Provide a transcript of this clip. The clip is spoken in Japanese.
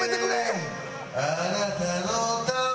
「あなたのため」